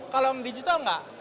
kalau yang digital enggak